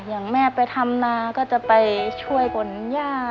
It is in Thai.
อย่างแม่ไปทำนาก็จะไปช่วยขนย่า